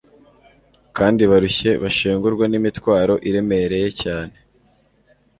kandi barushye bashengurwa n'imitwaro iremereye cyane.